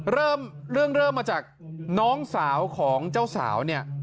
เริ่มเรื่องเริ่มมาจากน้องสาวของเจ้าสาวเนี่ย